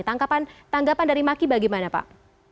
tanggapan tanggapan dari maki bagaimana pak